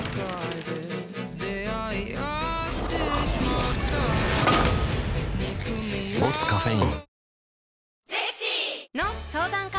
うん「ボスカフェイン」